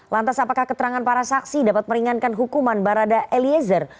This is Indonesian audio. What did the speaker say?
lantas apakah keterangan para saksi dapat meringankan hukuman barada eliezer